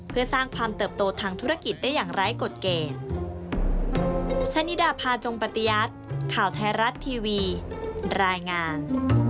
เพื่อสร้างความเติบโตทางธุรกิจได้อย่างไร้กฎเกณฑ์